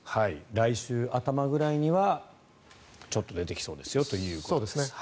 来週頭ぐらいにはちょっと出てきそうですよということです。